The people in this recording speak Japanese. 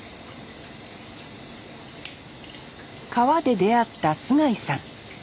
川で出会った須貝さん。